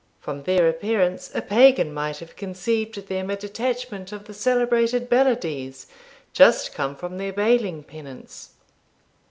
From their appearance, a pagan might have conceived them a detachment of the celebrated Belides, just come from their baling penance.